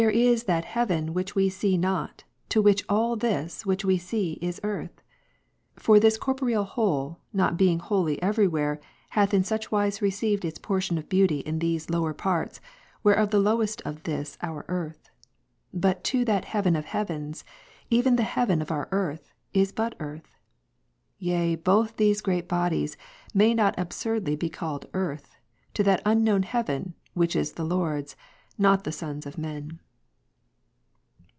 is that heaven which we see not, to wliich all this which ^^ we see is earth ? For this corporeal whole, not being wholly every where, hath in such wise received its portion of beauty in these lower parts, whereof the lowest is this our earth ; but to that heaven of heavens, even the heaven of our earth, is but earth : yea both these great bodies, may not absurdly be called earth, to that unknown heaven, ivhich is the Lord's, not the sons' of men.